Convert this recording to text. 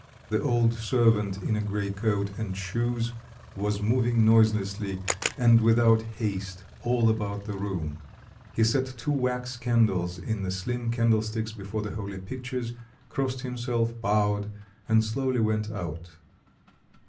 The old servant in a grey coat and shoes was moving noiselessly and without haste all about the room; he set two wax candles in the slim candlesticks before the holy pictures, crossed himself, bowed, and slowly went out.